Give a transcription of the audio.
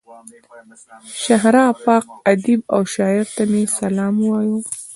شهره آفاق ادیب او شاعر ته مې سلام ووايه.